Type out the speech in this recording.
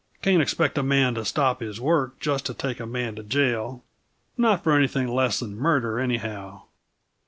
Can't expect a man to stop his work just to take a man to jail not for anything less than murder, anyhow."